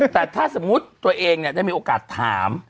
แต่ถ้าสมมุติตัวเองได้มีโอกาสถาม